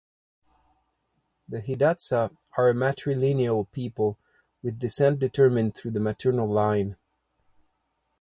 The Hidatsa are a matrilineal people, with descent determined through the maternal line.